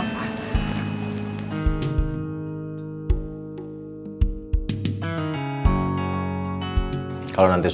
ada apa kok ketemu sama nino